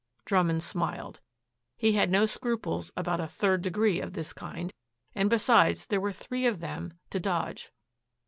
Drummond smiled. He had no scruples about a "third degree" of this kind, and besides there were three of them to Dodge.